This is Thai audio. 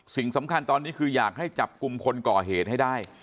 สิ่งสำคัญตอนนี้คืออยากให้จับกลุ่มคนก่อเหตุให้ได้